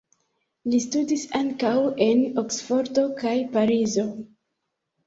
Li studis ankaŭ en Oksfordo kaj Parizo.